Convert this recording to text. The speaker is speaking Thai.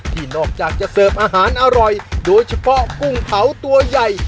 ที่นอกจากจะเสิร์ฟอาหารอร่อยโดยเฉพาะกุ้งเผาตัวใหญ่